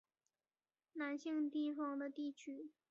南信地方的地区。